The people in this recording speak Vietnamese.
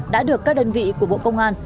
đã được các đơn vị của bộ công an